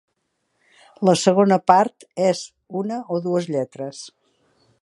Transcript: La segona part és una o dues lletres.